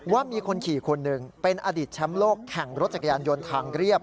ว่ามีคนขี่คนหนึ่งเป็นอดีตแชมป์โลกแข่งรถจักรยานยนต์ทางเรียบ